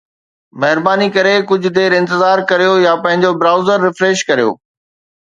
مھرباني ڪري ڪجھ دير انتظار ڪريو يا پنھنجو برائوزر ريفريش ڪريو